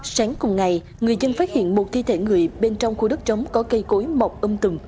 sáng cùng ngày người dân phát hiện một thi thể người bên trong khu đất trống có cây cối mọc âm tùng